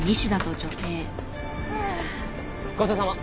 ごちそうさま。